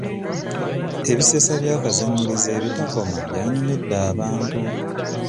Ebisesa bya kazannyiikirizi ebitakoma byanyumidde abantu.